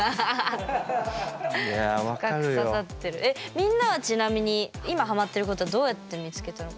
みんなはちなみに今ハマっていることどうやって見つけたのか。